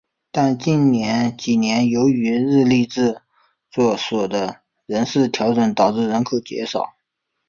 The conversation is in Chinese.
但近几年由于日立制作所的人事调整导致人口减少。